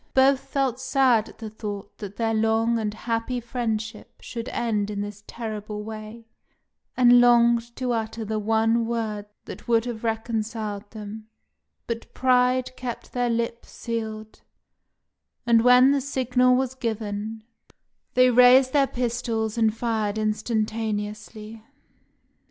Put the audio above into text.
Both felt sad at the thought that their long and happy friendship should end in this terrible way, and longed to utter the one word that would have reconciled them; but pride kept their lips sealed, and when the signal was given, they raised their pistols and fired instantaneously.